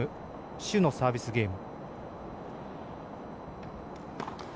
朱のサービスゲーム。